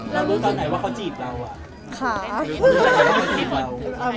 แล้วรู้ตอนไหนว่าเขาจีบเราอะ